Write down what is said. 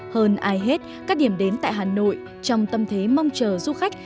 hơn ai hết các điểm đến tại hà nội trong tâm thế mong chờ du khách